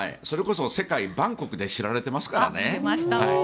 それこそ世界万国で知られてますからね。